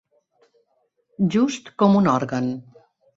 Just com un òrgan.